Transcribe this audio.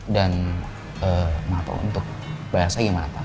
dan untuk bayar saya gimana pak